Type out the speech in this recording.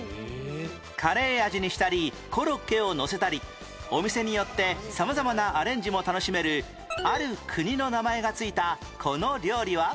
カレー味にしたりコロッケをのせたりお店によって様々なアレンジも楽しめるある国の名前が付いたこの料理は？